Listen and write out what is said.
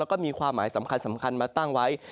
แล้วก็มีความหมายสำคัญมาตั้งไว้